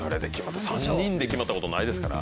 ３人で決まったことないですから。